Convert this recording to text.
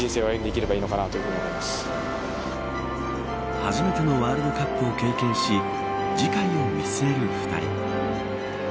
初めてのワールドカップを経験し次回を見据える２人。